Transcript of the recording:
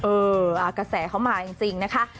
กระแสเขามาจริงนะคะ